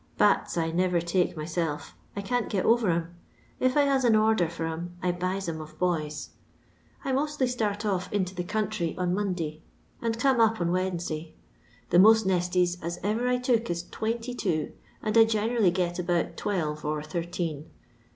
Bats I never take my self—I can't get over 'em. If I has an order for 'era, I buys 'em of boys. " I mostly start off into the country on Honday No. XXXI. ^^ and come up on Wednesday. The most nesties as ever I took is twenty two, and I generally get about twelve or thirteen.